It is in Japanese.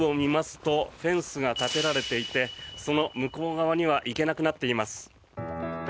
奥を見ますとフェンスが立てられていてその向こう側には行けなくなっています。